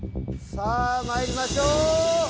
さあまいりましょう。